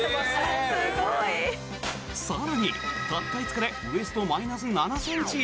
更に、たった５日でウエスト、マイナス７ｃｍ？